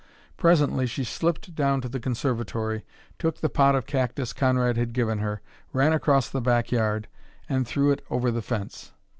Presently she slipped down to the conservatory, took the pot of cactus Conrad had given her, ran across the back yard, and threw it over the fence.